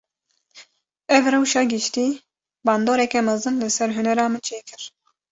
Ev rewşa giştî, bandoreke mezin li ser hunera min çêkir